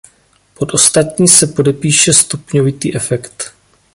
Pod ostatní se podepíše stupňovitý efekt.